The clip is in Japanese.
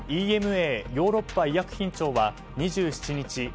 ＥＭＡ・ヨーロッパ医薬品庁は２７日